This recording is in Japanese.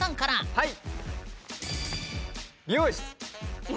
はい！